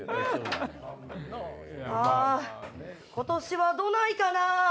あ今年はどないかな？